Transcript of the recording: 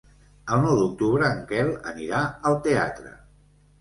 El nou d'octubre en Quel anirà al teatre.